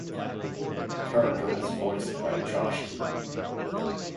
The character is voiced by Josh Keaton.